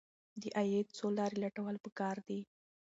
د عاید څو لارې لټول پکار دي.